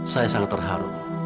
saya sangat terharu